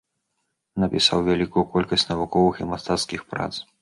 Напісаў вялікую колькасць навуковых і мастацкіх прац.